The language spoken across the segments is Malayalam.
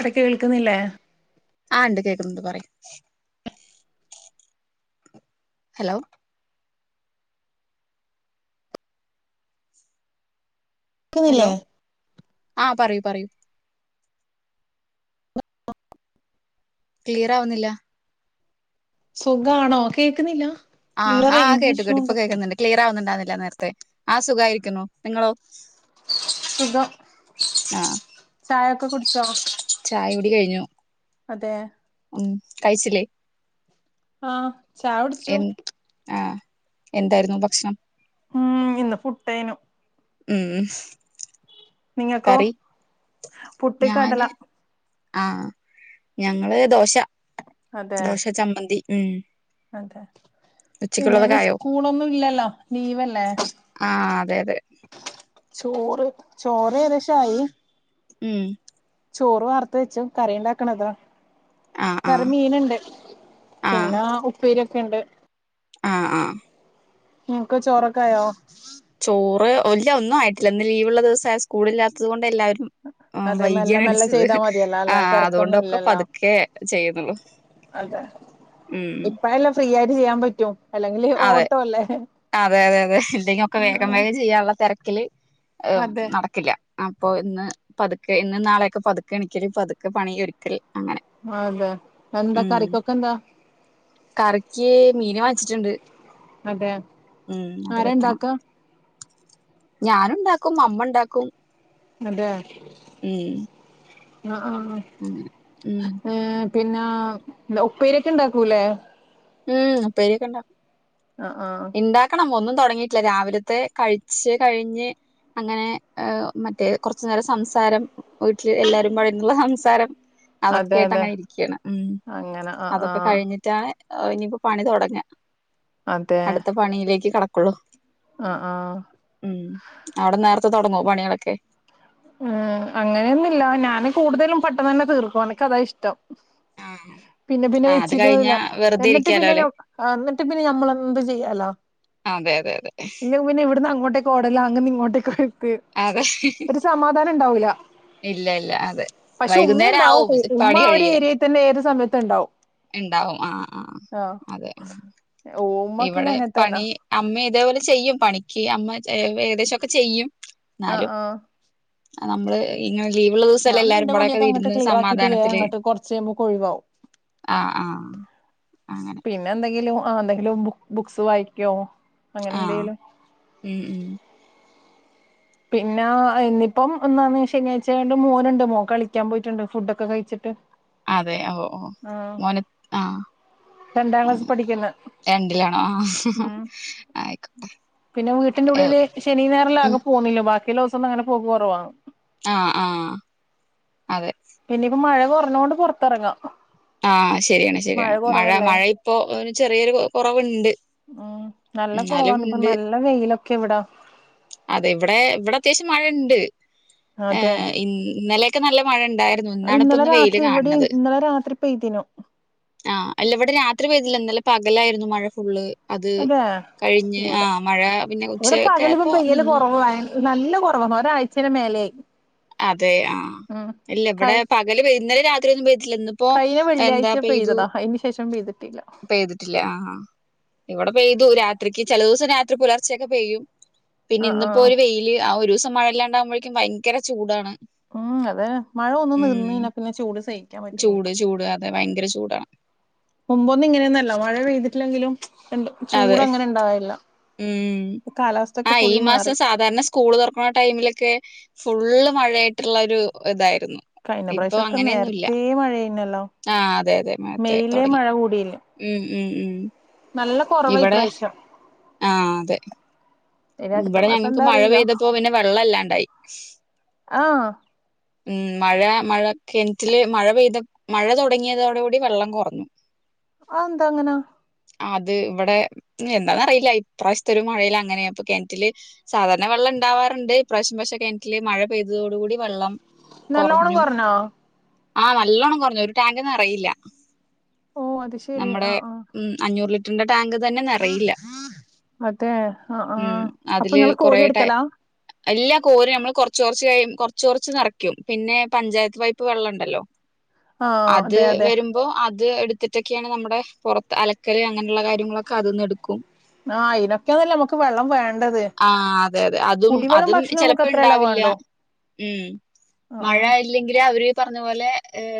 എട കേൾക്കുന്നില്ലേ ആഹ് ഇണ്ട് കേക്കുന്നുണ്ട് പറയ് ഹലോ ക്കുന്നില്ലേ ഹലോ ആ പറയൂ പറയൂ ക്ലിയർ ആവുന്നില്ല സുഖാണോ കേക്കുന്നില്ല ഇല്ല ആഹ്ഹാ റേഞ്ച് കേട്ട് ഇഷ്യൂ കേട്ട് ഇപ്പൊ ഉണ്ട് കേൾക്കുന്നുണ്ട് ക്ലിയർ ആവുന്നു ണ്ടർന്നില്ല നേരത്തെ ആഹ് സുഖായിരിക്കുന്നു നിങ്ങളോ സുഖം ആ ചായോക്കാ കുടിച്ചോ ചായ കുടി കഴിഞ്ഞു അതെ ഉം കഴിച്ചില്ലേ ആഹ് ചായ കുടിച്ചു എൻ ആഹ് എന്തായിരുന്നു ഭക്ഷണം ഉം ഇന്ന് പുട്ടേനു ഉം നിങ്ങക്കോ കറി പുട്ടും കടല ആഹ് ഞങ്ങള് ദോശ അതെ ദോശ ചമ്മന്തി ഉം അതെ ഉച്ചക്കുള്ളതൊക്കെ ഇന്നിനി ആയോ സ്കൂളൊന്നും ഇല്ലല്ല ലീവല്ലേ തെയതെ ചോറ് ചോറ് ഏകദേശായി ഉം ചോറ് വാർത്ത് വെച്ചു കറി ഉണ്ടാക്കണതാ ആ ആ കറി മീന്ണ്ട് പിന്നെ ഉപ്പേരി ക്കെണ്ട് ആഹ് ആഹ് നിൻക്ക് ചോറൊക്കായോ ഒല്ല ഒന്നുംആയിട്ടില്ല ഇന്ന് ലീവ്ള്ള ദിവസായ സ്കൂളില്ലാത്തത് കൊണ്ട് എല്ലാരും ആ അതെ മെല്ലെ വൈകിയാണ് മെല്ലെ അടിച്ചത് ചെയ്താ മതിയല്ലോ ആ അല്ലെ ആ തിരക്കൊന്നും അതുകൊണ്ടൊക്കെ ഇല്ലല്ലോ പതുക്കെ ചെയ്യുന്നൊള്ളു ഉം ന്ന് ചെയ്യാൻ പറ്റോ അല്ലെങ്കില് അതെ ഓട്ടോ അല്ലേ അതെ അതെ അതെ ല്ലെങ്കിഒക്കെ വേഗം വഗം ചെയ്യാറുള്ള തെർക്കില് ഏ അതെ നടക്കില്ല അപ്പൊ ഇന്ന് പതുക്കെ ഇന്ന് നാളെയൊക്കെ പതുക്കെ എണിക്കല് പതുക്കെ പണിയൊരുക്കൽ അതെ എന്താ കറിക്കൊക്കെ ന്താ കറിക്ക് മീന് വാങ്ങിച്ചിട്ട്ണ്ട് അതെ ഉം അത് ആരാ വെക്കണം ഇണ്ടാക്കാ ഞാന്ണ്ടാക്കും അമ്മണ്ടാക്കും അതെ ആ ആ അങ്ങനെ ഉം ഈ പിന്നെ ഉപ്പേര്യോക്കെ ണ്ടാക്കൂല്ലേ ഉപ്പേര്യോക്കെണ്ടാ ആഹ് ആഹ് ഇണ്ടാക്കണം ഒന്നും തൊടങ്ങിയിട്ടില്ല രാവിലത്തെ കഴിച്ച് കഴിഞ്ഞ് അങ്ങനെ മറ്റേ കൊർച് നേരം സംസാരം വീട്ടിൽ എല്ലാരും പാടെ ഇർന്നുള്ള സംസാരം അതെ അതൊക്കേയിട്ട് അതെ അങ്ങനെ ഇരിക്കുകയാണ് ഉം അങ്ങനെ ആഹ് അതൊക്കെ ആഹ് കഴിഞ്ഞിട്ടാണ് ഓ ഇനിയിപ്പോ പണി തുടങ്ങ അതെ അടുത്ത പണിയിലേക്ക് കടക്ക ക്കളു ആഹ് ആഹ് ഉ അവിടെ നേര തെ തുടങ്ങൂ പണികളൊക്കെ ഉ അങ്ങനെയൊന്നുമില്ല ഞാന് കൂടുതലും പെട്ടെന്ന് തന്നെ തീർക്കുവാ എക്ക് അതാ ഇഷ്ടം ആഹ് പിന്നെ പിന്നെ ആ അത് വെച്ചിക്കുന്നതില്ല കഴിഞ്ഞാ വെറുതെ എന്നിട്ട് ഇരിക്കാലോ പിന്നെ അല്ലെ എന്നിട്ട് പിന്നെ ഞമ്മളെന്ത് ചെയ്യാലോ അതെ അതെ അതെ ഇ പിന്നെ ഇവിടുന്ന് അങ്ങോട്ട് ഓടല അങ്ങട്ട് ഇങ്ങോട്ടേക്ക അതെ സമാധാനം ഉണ്ടാവില്ല ഇല്ല ഇല്ല അതെ വൈകുന്നേരം ഉണ്ടാവും ആവും ഉമ്മ ചിപ്പാണി ആ ഒരു കഴിയൻ ഏരിയയിൽ തന്നെ ഏത് സമയത്തും ഉണ്ടാവും ഉണ്ടാവും ആഹ ആ ആഹ് അതെ ഉമ്മക്കിന ഇവിടെ അങ്ങനത്തന്നാ പണി അമ്മ ഇതേപോലെ ചെയ്യും പണിക്ക് മ ചെ ഏകദേശം ഒക്കെ ചെയ്യും ആ ആ അ നമ്മൾ ഇങ്ങനെ ലീവ് ഉള്ള ദിവ്സ അല്ലേ എല്ലാരും കൂടെ ഒക്കെ പണിയൊക്കെ അങ്ങട്ട് ഇരുന്ന് ക്ലിയർ ആക്കിട്ട് വേഗം സമാധാനത്തിൽ അങ്ങട്ട് കുറച്ച് കഴിയുമ്പോ ഒഴിവാവും ആ ആ പിന്നെ എന്തെങ്കിലും ആ എന്തെങ്കിലും ബു ബുക്സ് വായിക്കോ അങ്ങനെ ആ എന്തെലും ഉം പിന്നാ ഇന്നിപ്പം ഒന്നാന്നി ശനിയാഴ്ച ആയോണ്ട് മോൻ ഇണ്ട് മോ കളിക്കാൻ പോയിട്ട് ഇണ്ട് ഫുഡൊക്കെ കഴിച്ച്ട്ട് അതെ ഓ ഓ മോൻ എത് ആ രണ്ടാം ക്ലാസ് പഠിക്കുന്ന രണ്ടിലാണോ ആ ഉം ആയിക്കോട്ടെ പിന്നെ വീട്ട്ന്റെ ഉള്ളിൽ ശനി ഞായർൽ ആകെ പോണില്ലാ ബാക്കിയുള്ളോസം ഒന്നും അങ്ങനെ പോക്ക് കൊറവാണ് ആ ആ പിന്നെ ഇപ്പ മഴ കൊർ ന്നോട് പൊറത്തെറങ്ങാം ആ ശരിയാണ് ശരിയാണ് മഴ മഴ ഇപ്പോ ഒര് ചെറിയൊര് കൊ കൊറവ്ണ്ട് ഉം നല്ല കൊറവാണ് ഇപ്പ നല്ല വെയ് യിലൊക്കെ ഇവ്ടാ അതെ ഇവ്ടെ ഇവ്ടെ അത്യാവ്ശ്യം മഴ ഇണ്ട് ഏ അതെ ഇന്നലെ ക്കെ നല്ല മഴ ഇൺ ഇണ്ടായ്ര്ന്നു ഇന്നാണ് ഇപ്പം ഇന്നലെ ഒന്ന് വെയിൽ രാത്രി ഇവിടെ കാൺണത് ഇന്നലെ രാത്രി പെയ്തിനു ആ അല്ല ഇവടെ രാത്രി പെയ്തിലാ ഇന്നലെ പകലായിരുന്നു മഴ ഫുള്ള് അത് അതെ കഴിഞ്ഞ് ആ ഇവിടെ മഴ പിന്നെ ഉച്ചയൊക്കെ ആയപ്പോ നിന്നു കൊറവായി നല്ല കൊറവാ ഒരാഴ്ചലെ മേലെയായി അതെ ആ ഉം ഇല്ല കൈ ഇവടെ പകല് പെയ്ത് ഇന്നലെ രാ ത്രി ഒന്നും പെയ് ട്ടില്ല ഇന്നിപ്പോ കഴിഞ്ഞ എന്താ വെള്ളിയാഴ്ച പെയ്തു പെയ്തതാ അതിന് ശേഷം പെയ്തിട്ടില്ല പെയ്തിട്ടില്ല ആ ഇവ പെയ്തു രാത്രിക്ക് ചെല ദിവ്സം രാത്രി പുലർച്ചയൊക്കെ പെയ്യും പിന്നെ ആഹ് ഇന്നിപ്പോ ആഹ് ഒര് വെയില് ആ ഒരുസ മഴ ഇല്ലാണ്ടാവുമ്പോഴെക്കും ഭയങ്കര [unintelligible] ചൂടാണ് ഉം അതെ മഴ ഒന്ന് നിന്ന് ഉം കഴിഞ്ഞാ പിന്നെ ചൂട് സയി ചൂട് ചൂട് അതെ ഭയങ്കര ചൂടാണ് മുമ്പൊ ഒന്നും ഇങ്ങനെയൊന്നല്ല മഴ ഴ്തിട്ടില്ലെങ്കിലും [unintelligible] അതെ ഉം കാലാവസ്ഥ ആ ഒക്കെ ഈ ഫുള്ള് മാറി മാസം സാധാരണ സ്കൂള് തുറക്കണ ടൈമിലൊക്കെ ഫുള്ള് മഴ ആായിട്ടുള്ള ഒരു ഇതായി. കഴിഞ്ഞ വശ്യൊക്കെ നേരത്തേ മഴയുന്നല്ലോ ആഹ് അതെ അതെ മഴത്തെ മെയിലെ തുടങ്ങി മഴ കൂടിയില്ല ഉം ഉം നല്ല കുറവ് ഇപ്രാവശ്യം. ആഹ അതെ ഇനി അടുത്ത ഇവിടെ മാസം ഞങ്ങക്ക് എന്താ മഴ അറിയില്ല പെയ്തപ്പോ പിന്നെ വെള്ളംല്ലാണ്ടായി. ആഹ് ഉം മഴ മഴ കെണറ്റില് മഴ പെയ്ത മഴ തുടങ്ങിയതോട കൂടി വെള്ളം കുറഞ്ഞു. ആന്ത അങ്ങന? അത് ഇവിടെ എന്താന്ന അറിയില്ല, ഇപ്രാവശ്യത്തെ ഒരു മഴയിൽ അങ്ങനെയപ്പ. കിണറ്റില് സാധാരണ വെള്ളം ഉണ്ടാവാറുണ്ട്, ഇ പ്രാവശ്യം പക്ഷെ കിണറ്റില് മഴ പെയ്തതോട കൂടി വെള്ളം നല്ലോണം കുറഞ്ഞു കുറഞ്ഞോ? ആഹ് നല്ലോണം കുറഞ്ഞു ഒരു ടാങ്ക് നറയില്ല. ഓ നമ്മുടെ ഉ അഞ്ഞൂറില മറ്റേ ആ ഉം അതില് കൊറട്ട അല്ല കോര് നമ്മള് കൊറച്ച് കൊറച്ച് കഴ കൊറച്ച് കൊറച്ച് നിറയ്ക്കും പിന്നെ പഞ്ചായത്ത് വൈപ്പ് വെള്ളം ഉണ്ടല്ലോ ആഹ് അത് അതെ അതെ വരുമ്പോ അത്. ത് എടുത്തിട്ടൊക്കെയാണ് നമ്മുടെ പുറത്ത് അല കക്കല് അങ്ങനെയുള്ള കാര്യങ്ങളക്കെ അ നിന്ന് എടു ക്കും ആഹ് ഇതിനൊക്കെന്നല്ല മ ആഹ് അതെ അതെ അതും കുടിവെള്ളം അതും ഭക്ഷണവും നമുക്ക് ചെലപ്പോ അത്രയല്ലേ ഉണ്ടാവില്ല വേണ്ടു ഉം ആഹ് മഴ ഇല്ലെങ്കില് അവര് ഈ പറഞ്ഞ പോലെ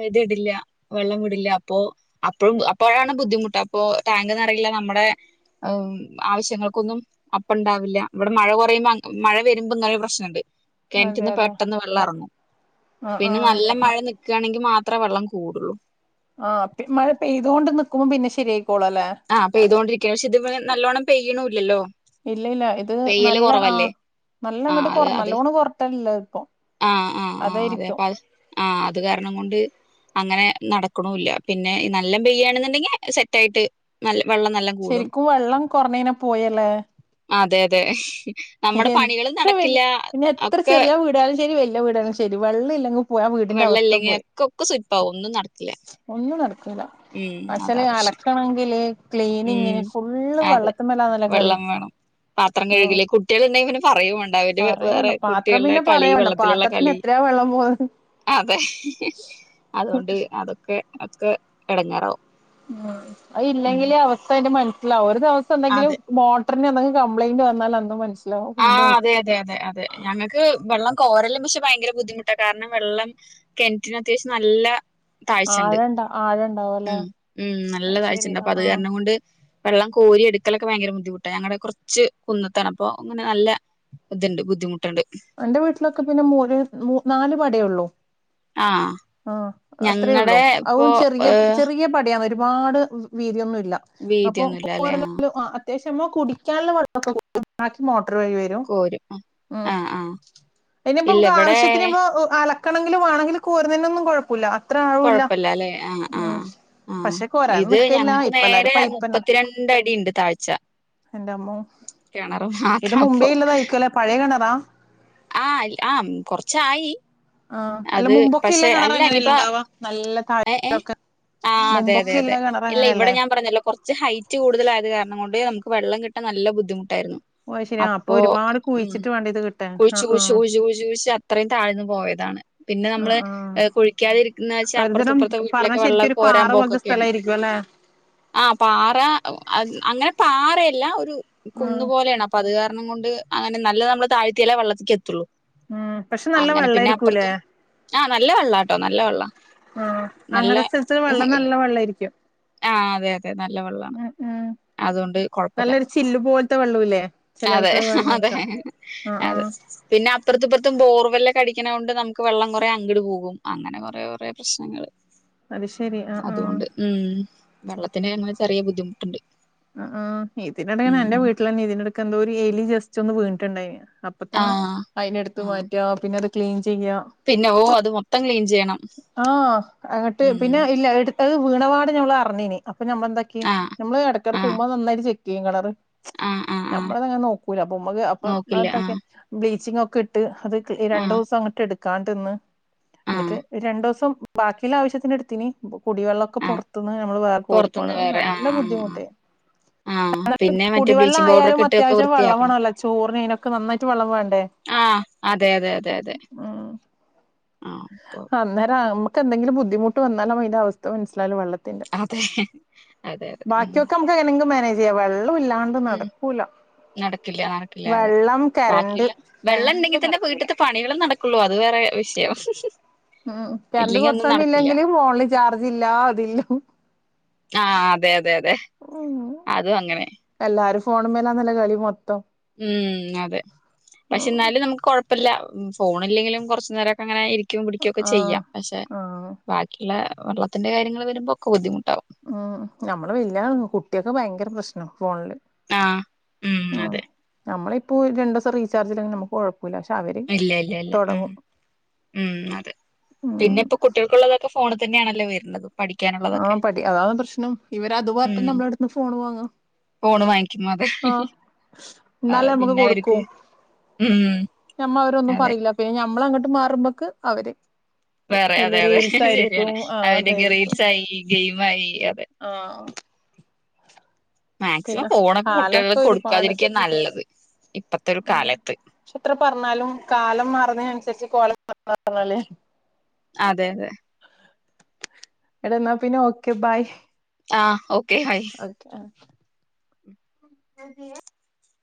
ഇത് ഇടില്ല വെള്ളം വിടില്ല അപ്പോ അപ്പോഴും അപ്പോഴാണ് ബുദ്ധിമുട്ട് അപ്പോ ടാങ്ക് നിറയില്ല നമ്മടെ ആവശ്യങ്ങൾക്കൊന്നും അപ്പ ഉണ്ടാവില്ല ഇവിടെ മഴ കുറയുമ്പോ, മഴ വരുമ്പോ ഇങ്ങനെ ഒരു പ്രശ്നംണ്ട്. ആഹ് അതെ കെണറ്റിന്ന് അതെ പെട്ടെന്ന് വെള്ളറങ്ങും ആഹ് പിന്നെ ആഹ് നല്ല മഴ നിക്കാണെങ്കി മാത്രേ വെള്ളം കൂടുള്ളൂ. ശരി ആ പെയ്തോണ്ടിരി ത്യാവിശ്യം ഇത് മ്മെ നല്ലോണം പെയ്യ്ണൂല്ലല്ലോ ഇല്ല ഇല്ല ഇത് നല്ല ആ നല്ല ആ അങ്ങട്ട് അത് കൊറ അത് നല്ലോണം കൊറട്ടില്ല ഇപ്പൊ ആ ആ ആ അതെ അതായിരിക്കും. അപ്പ അത് ആ അത് കാരണം കൊണ്ട് അങ്ങനെ നടക്ക്ണൂല്ല പിന്നെ നല്ലം പെയ്യാണുന്നുണ്ടെങ്കിൽ സെറ്റ് ആയിട്ട് നല്ല വെള്ളം നല്ല കൂടും ശരിക്കും വെള്ളം കൊറഞ്ഞയ്ഞ്ഞാ പോയല്ലേ അതെ അതെ ശരി നമ്മുടെ പണികൾ എത്ര വല് നടക്കില്ല പിന്നെ എത്ര ഒക്കെ ചെറിയ വീടാലും ശരി വല് വീടായാലും ശരി വെള്ളം ഇല്ലെങ്കി വെള്ളം ഇല്ലെങ്കി ഒക്കെ ഒക്കെ സുയ്പ്പാവും ഒന്നും നടക്കില്ല ഉം അതാ പടച്ചോനെ പ്രശ്നം അലക്കണങ്കില് ഉം ക്ലീനിങ്ങിന് ഫുള്ള് അതെ വള്ളത്ത്മ്മലാണല്ലോ കളി വെള്ളം വേണം പാത്രം ആ കഴുകില് കുട്ടികളുണ്ടെങ്കി പറയും വേണ്ട അവര് വേറെ കുട്ടികളുടെ പിന്നെ കളി പറയണ്ട വെള്ളത്തിലുള്ള പാത്രത്തിന് കളി എത്രയാ വെള്ളം പോകുന്നത് അതെ അതുകൊണ്ട് അതൊക്കെ ഒക്കെ എടങ്ങേറാവും ഉ അത് ഉം ഇല്ലെങ്കിലേ അവസ്ഥ അയ്ന്റെ മന ലാവു ദിവസം എന്തെങ്കിലും അതെ മോ ട്ടറിന് എന്തെങ്കിലും കംപ്ലൈന്റ് വന്നാലന്ന് മനു ആ അതെ അതെ അതെ അതെ ഞങ്ങക്ക് വെള്ളം കോരലും പക്ഷെ ഭയങ്കര ബുദ്ധിമുട്ടാ കാരണം വെള്ളം കിണറ്റി ന് അത്യാവശ്യം നല്ല താഴ്ച്ചണ്ട് ആഴണ്ട ആഴണ്ടാവും ഉ അല്ലെ ഉം നല്ല അത് ശരി താഴ്ച്ചണ്ട് ആ അപ്പൊ അത് ആ കാരണം കൊണ്ട് വെള്ളം കോരി എടുക്കലൊക്കെ ഭയങ്കര ബുദ്ധിമുട്ടാ ഞങ്ങള് കുറച്ച് കുന്നത്താണ് അപ്പൊ അങ്ങനെ നല്ല ഇതുണ്ട് ബുദ്ധിമുട്ട് എന്റെ വീട്ടിലൊക്കെ പിന്നെ മൂന്ന് നാല് പടിയുള്ളൂ ആഹ് ആ അത്രേ ഉള്ളൂ ഞങ്ങടെ ഇപ്പൊ അുതും ചെറിയ ഏ ചെറിയ പടിയാന്ന് ഒരു ഒരുപാട് വീതിയൊന്നും ല്ല അപ്പൊ വീതിയൊന്നുല്ല അല്ലെ ആ അത്യാവശ്യം മ്മ കുടിക്കാനുള്ള വെള്ളൊക്കെ കിട്ടും കോരും ആഹ് ആഹ് അയ്നിപ്പോ ഇല്ല നമുക്ക് ഇവിടെ ആവര്യത്തിന് പ്പൊ അല ണെങ്കില് വേണെങ്കില് കുഴപ്പുല്ല കൊഴപ്പല്ല അല്ലെ ആഹ ആഹ് ആഹ പക്ഷെ കോരാൻ ഇത് നിക്കല്ല ഞങ്ങക്ക് ഇപ്പ നേരെ എല്ലാരും പൈപ്പന്നെ മുപ്പത്തിരണ്ടടിണ്ട് താഴ്ച എന്റമ്മോ കെണറ മാത്ര ഇത് മുമ്പേ അപ്പൊ ഇല്ലതായിരിക്കുംല്ലേ പഴയ കിണറാ ആ ആ കൊർച്ചായി ആ അല്ല മുമ്പൊക്കെല്ല കെണറങ്ങനെയെല്ല ഉണ്ടാവാ നല്ല താഴ് ഏ ഏ ആ് അതെ അതെ മുമ്പൊക്കെ അതെ കിണർ ഇല്ല ഇവിടെ അങ്ങനെയല്ലേ ഞാൻ പറഞ്ഞല്ലോ കുറച്ച് ഹൈറ്റ് കൂടുതലായത് കാരണം ഓണ്ട് നംക്ക് വെള്ളം കിട്ടാൻ നല്ല ബദ്ധിമു [inaudible] യിരുന്നു. ഓ അത് ശരി ആ അപ്പൊ അപ്പോ ഒരുപാട് ഉം. കുഴിച്ചിട്ട് വേണ്ട ഇത് കിട്ടാൻ ആ കുയിച്ചു ആ കുയി കുഴിച്ചു കുഴിച്ചു കുഴിച്ചു അത്രയും താഴ്ന്ന് പോയതാണ് പിന്നെ നമ്മള്് കുഴിക്കാതിരിക്കുന്ന വെച്ചാൽ [unintelligible] പറഞ്ഞാ ശരിക്കും ഒരു പാറ പോലത്തെ സ്ഥലായിരിക്കും അല്ലെ ആ പാറ അങ്ങനെ പാറയല്ല ഒരു കുന്ന് ഉം പോലെയാണ് അപ്പ അത് കാര കാരണം കൊണ്ട് അങ്ങനെ നല്ല നമ്മള് താഴ്ത്തിയാലേ വള്ളത്തിക്ക് എത്തുള്ളൂ ഉം പക്ഷെ നല്ല അങ്ങനെ വെള്ള പിന്നെ ആരിക്കൂല്ലേ അപ്പുറത്തും ആ നല്ല വെള്ളാട്ടോ നല്ല വെള്ള ആ നല്ല അങ്ങനെ സ്ഥലത്ത് വെള്ളം നല്ല വെള്ളയിരിക്കും ആ അതെ നല്ല വെള്ളാ അതുകൊണ്ട് കൊഴപ്പില്ല നല്ലൊരു ചില്ല് പോലത്തെ വെള്ളൂല്ലേ ചില അതെ ആൾക്കാർ അതെ പറഞ്ഞേക്കാം ആ ആ അതെ പിന്നെ അപ്പറത്തുംപ്പറത്തും ബോർല കടിക്ക്ണ കൊണ്ട് നമുക്ക് വെള്ളം കൊറേ അങ്ട് പോകും അങ്ങനെ കൊറേ കൊറേ പ്രശ്നങ്ങൾ അത് ശരി ആ ആ അതുകൊണ്ട് ഉം വെള്ളത്തിന് മക്ക് ചെറിയ ബുദ്ധിമുട്ടുണ്ട് ആഇതിനിടെന് എന്റെ ഉം വീട്ടിലന്നെ [inaudible] എന്തോരു എലി ജസ്റ്റ് ഒന്ന് വീണിട്ട്ണ്ടായി അപ്പത്തന്നെ ആഹ് അയിന് എടുത്ത് ആഹ് മാറ്റ്വ [inaudible] [unintelligible] ചെയ്യ പിന്നെ ഓ അത് മൊത്തം ക്ലീൻ ചെയ്യണം ആ അങ്ങട്ട് പിന്നെ ഉം ഇല്ല എടു അത് വീണപാട് ഞമ്മള് അറിഞ്ഞീനി അപ്പൊ നമ്മളെന്താക്കി ആഹ് നമ്മള് അ ആഹ് കുമ്മ നന്നായിട്ട് ചെക്ക് ചെയ്യും കളറ് ആഹ് ആഹ് ആഹ് ഞമ്മളങ്ങനെ നോക്കൂല അപ്പൊമ്മ അപ്പ നോക്കില്ല അതക്കെ ആഹ് ചിങൊക്കഇ അത് രണ്ട് ആഹ് ദിവസം അങ്ങട്ട് എടുക്കും കാട്ടന്ന് ആഹ് എന്നിട്ട് രണ്ടു ദിവസം ബാക്കിള്ള ആവശ്യത്തിനെടുത്തിനി കുടിവെള്ളൊക്കെ ആഹ് പൊറത്ത്ന്ന് ഞമ്മള് വേ പൊറത്തുന്ന് കോരിക്കോണത് വേറെ നല്ല ആഹ് ആഹ് ആഹ് ബുദ്ധിമുട്ടി ആഹ് പിന്നെ മറ്റേ കുടിവെള്ളം ബ്ലീച്ചിങ് പൗഡർ ആയാലും ഒക്കെ ഇട്ടൊക്കെ അത്യാവശ്യം വൃത്തിയാക്കണം വെള്ളമാേണല്ലോ ചോറിന ഇനൊക്കെ നന്നായിട്ട് വെള്ളം വേണ്ടേ ആഹ് അതെ അതെ അതെ അതെ ഉ ആഹ് അപ്പൊ അന്നേരാ എന്തെങ്കില ബുദ്ധിമട്ട് വന്നാലുംതി അവസ്ഥ മനസിലും വള്ള അതെ അതെ അതെ ഉ ജയ്യാ ഉം നടക്കില്ല നടക്കില്ല അതെ വെള്ളം കരണ്ട് ബാക്കിയുള്ള വെള്ളം ഉണ്ടെങ്കി രണ്ടും തന്നെ നടക്കൂല വീട്ടിലത്തെ പണികളും നടക്കുള്ളൂ അത് വേറെ വി ഉം രണ്ട് ഒന്നും കുറച്ചമ്മ നടക്കില്ല ഇല്ലെങ്കിലും ഫോണില് ചാർജ് ഇല്ല അതില്ലും ആ അതെ യതെ യതെ ഓ എല്ലാരും ഫോണ് മ്മലാന്നല്ലോ കളി മൊ ഉം അതെ പക്ഷെ ഉം ന്നാലും നമുക്ക് കൊഴ് പ്പല്ല ഫോണിലെങ്കിലും കൊർച്ച് നേരൊക്കെങ്ങനെ ഇ ക്കും പിടിക്കൊക്കെ ആഹ് ചെയ്യാം പക്ഷെ ആഹ് ബാക്കിയിള്ള വെള്ളത്തിന്റെ കാര്യങ്ങൾ വരുമ്പൊക്കെ ബുദ്ധിമുട്ടാകും ഉം നമ്മള് വെല്ല്യ കുട്ട്യക്ക് ഭയങ്കര പ്രശ്ന ഫോണില് ആഹ് ഉം ആ അതെ നമ്മളി ഓ ഒരു രണ്ടോസം റീചർജില്ലങ്കിൽ നമക്ക് കൊഴ ഇല്ല ല്ല ല്ല ഉം ഉം അതെ ഉം പിന്നെ ഇപ്പോ കുട്ട്യ ൾക്ക് ള്ളതൊക്കെ ഫോണി തെന്നെണല്ലേ വര്ന്നത് ആ പഠി അതാണ് പ്രശ്നം ഇവര് അതു പറഞ്ഞിട്ട് ഉം നമ്മളടത്ത്ന്ന് ഫോണ് വാങ്ങ ഫോണ് വാങ്ങിക്കും അതെ അതെ എന്നാലേ നമുക്ക് കൊടുക്കൂ പിന്നവർക്ക് ഉം ഞമ്മ അവരൊന്നും അതെ പറയില്ല പിന്നെ അമ്മള അങ്ങട്ട് മാറുമ്പോക്ക് അവര് വേറെ അതെ അയില് യതെ റീൽസ് ശെരിയാണ് ആയിരിക്കും അവര്ക്ക് റീൽസായി ഗെയിം മായി ആ മാക്സിമം ഫോണൊ കുട്ട്യൾ ള് കാലൊക്കെ ഒരുപാട് കൊടുക്കാതിരിക്ക്യാ നല്ലത് ഇപ്പത്തൊരു കാലത്ത് പർഞ്ഞാലും കാലം മാറുന്നെയ്നനുസരിച്ച് കോലം മാറുന്നതല്ലേ അതെ യതെ എട എന്നാ പിന്നെ ഓക്കെ ബായ് ആ ഓ അതെ [unintelligible]